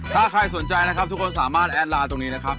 ถ้าใครสนใจนะครับทุกคนสามารถแอดไลน์ตรงนี้นะครับ